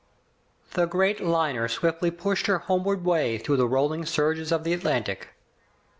The great liner swiftly pushed her homeward way through the rolling surges of the Atlantic.